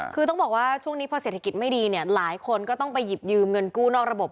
คือต้องบอกว่าช่วงนี้พอเศรษฐกิจไม่ดีเนี่ยหลายคนก็ต้องไปหยิบยืมเงินกู้นอกระบบ